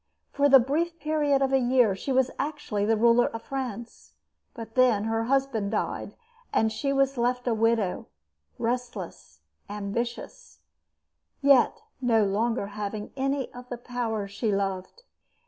For the brief period of a year she was actually the ruler of France; but then her husband died and she was left a widow, restless, ambitious, and yet no longer having any of the power she loved.